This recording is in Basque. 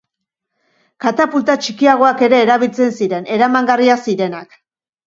Katapulta txikiagoak ere erabiltzen ziren, eramangarriak zirenak.